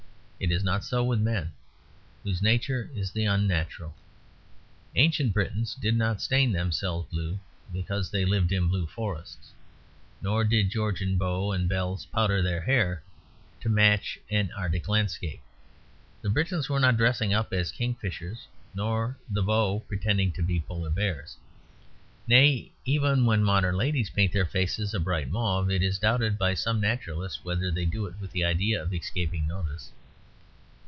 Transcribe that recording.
It is not so with men, whose nature is the unnatural. Ancient Britons did not stain themselves blue because they lived in blue forests; nor did Georgian beaux and belles powder their hair to match an Arctic landscape; the Britons were not dressing up as kingfishers nor the beaux pretending to be polar bears. Nay, even when modern ladies paint their faces a bright mauve, it is doubted by some naturalists whether they do it with the idea of escaping notice.